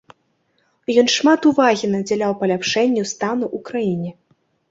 Ён шмат увагі надзяляў паляпшэнню стану ў краіне.